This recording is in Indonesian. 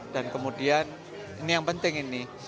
dan kemudian ini yang penting ini